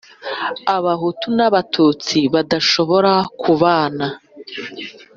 abahutu n’abatutsi badashobora kubana,